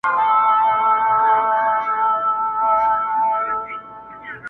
• همدا پوښتني کيسه له کورني حالت څخه ټولنيز او ..